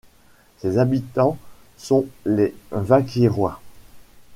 Ses habitants sont les Vacquiérois.